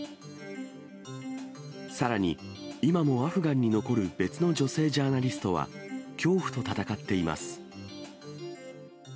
さらに、今もアフガンに残る別の女性ジャーナリストは、恐怖と戦っています。